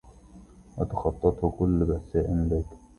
وتخطَّته كلُّ بأساءَ لكن